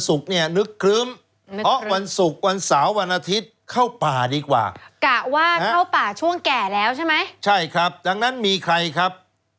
สุกเนี่ยนึกครึ้มเล่นวันสุกวันสาววันอาทิตย์เข้าป่าดีกว่ากลั้วว่าเข้าป่าช่วงแก่แล้วใช่ไหมใช่ครับตั้ง